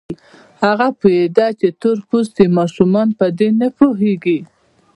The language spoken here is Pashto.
هغه پوهېده چې تور پوستي ماشومان په دې نه پوهېږي.